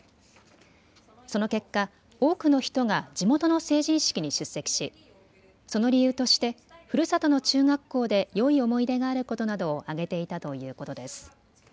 その結果、多くの人が地元の成人式に出席しその理由としてふるさとの中学校でよい思い出があることなどを挙げていたということです。